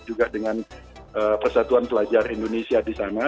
juga dengan persatuan pelajar indonesia di sana